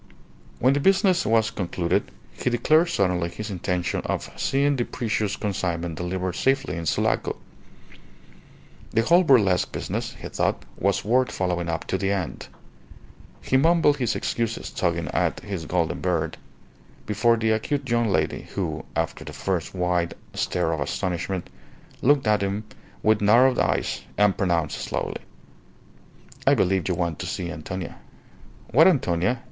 When the business was concluded he declared suddenly his intention of seeing the precious consignment delivered safely in Sulaco. The whole burlesque business, he thought, was worth following up to the end. He mumbled his excuses, tugging at his golden beard, before the acute young lady who (after the first wide stare of astonishment) looked at him with narrowed eyes, and pronounced slowly "I believe you want to see Antonia." "What Antonia?"